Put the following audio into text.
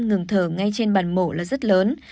ngừng thở ngay trên bàn mổ là rất lớn